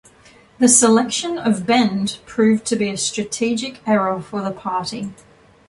The selection of Bend proved to be a strategic error for the party.